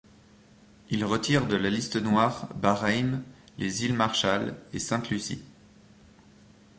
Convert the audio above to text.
Ils retirent de la liste noire Bahreïn, les îles Marshall et Sainte-Lucie.